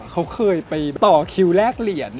เขาเคยไปต่อคิวแลกเหรียญ